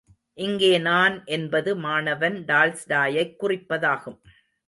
இங்கே நான் என்பது மாணவன் டால்ஸ்டாயைக் குறிப்பதாகும்.